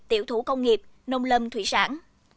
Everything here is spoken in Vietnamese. tiểu thủ công nghiệp nông lâm thủy sản